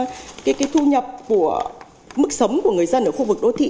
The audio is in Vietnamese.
và một số cái khảo sát về cái thu nhập của mức sống của người dân ở khu vực đô thị